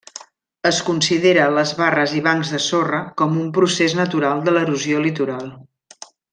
Es considera les barres i bancs de sorra com un procés natural de l'erosió litoral.